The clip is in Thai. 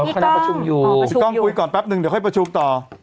พี่กล้องคุยก่อนแป๊บนึงเดี๋ยวค่อยประชุมต่อ